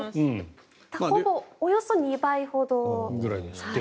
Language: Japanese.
およそ２倍ほど。